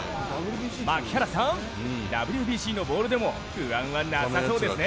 槙原さん、ＷＢＣのボールでも不安はなさそうですね。